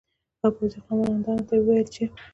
او پوځي قومندانانو ته یې وویل چې